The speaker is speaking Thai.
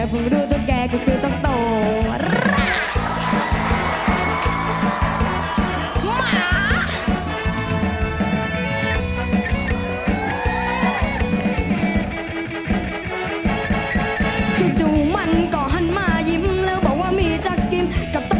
เพิ่งรู้จะแก่ก็คือตัวโต